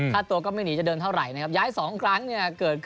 ค่าตัวก็ไม่หนีจะเดินเท่าไหร่นะครับ